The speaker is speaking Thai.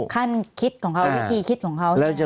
ขั้นคิดของเขาวิธีคิดของเขา